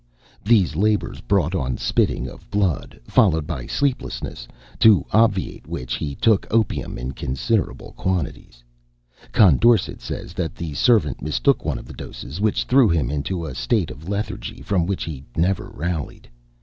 These labors brought on spitting of blood, followed by sleeplessness, to obviate which he took opium in considerable quantities. Condorcet says that the servant mistook one of the doses, which threw him into a state of lethargy, from which he never rallied.